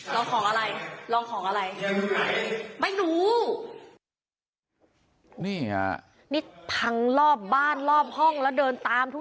ลองของอะไรลองของอะไรไม่รู้นี่ฮะนี่พังรอบบ้านรอบห้องแล้วเดินตามทุก